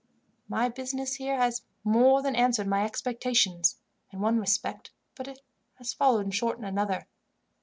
"My business here has more than answered my expectations, in one respect, but has fallen short in another.